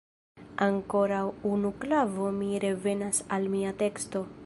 Ankoraŭ unu klavo – mi revenas al mia teksto.